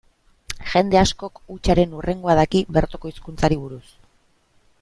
Jende askok hutsaren hurrengoa daki bertoko hizkuntzari buruz.